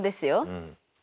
うん。